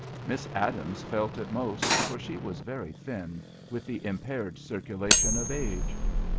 Miss Adams felt it most, for she was very thin, with the impaired circulation of age.